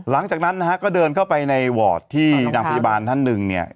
หลังจากนั้นนะฮะก็เดินเข้าไปในวอร์ดที่นางพยาบาลท่านหนึ่งเนี่ย